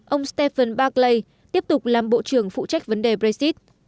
ông stephen barclay tiếp tục làm bộ trưởng phụ trách vấn đề brexit